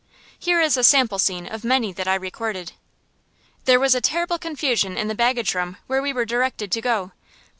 Here is a sample scene of many that I recorded: There was a terrible confusion in the baggage room where we were directed to go.